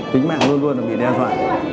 tính mạng luôn luôn bị đe dọa